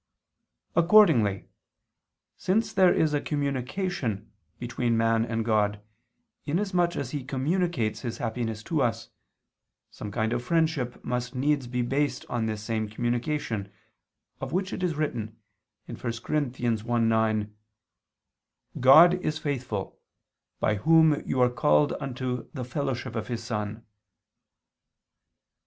Accordingly, since there is a communication between man and God, inasmuch as He communicates His happiness to us, some kind of friendship must needs be based on this same communication, of which it is written (1 Cor. 1:9): "God is faithful: by Whom you are called unto the fellowship of His Son."